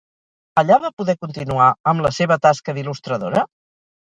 Allà va poder continuar amb la seva tasca d'il·lustradora?